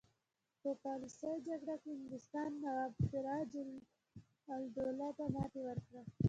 په پلاسۍ جګړه کې انګلیسانو نواب سراج الدوله ته ماتې ورکړه.